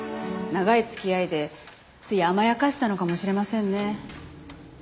長い付き合いでつい甘やかしたのかもしれませんね。